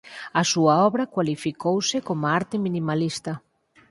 A súa obra cualificouse como arte minimalista.